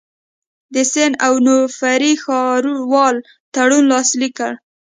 د سن اونوفري ښاروال تړون لاسلیک کړ.